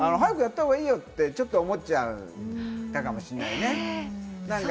早くやった方がいいよってちょっと思っちゃったかもしれないね。